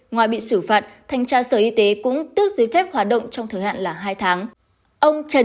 ngoài bị xử phạt thanh tra sở y tế cũng tước giới phép hoạt động trong thời hạn là hai tháng